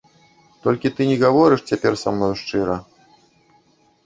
Толькі ты не гаворыш цяпер са мною шчыра.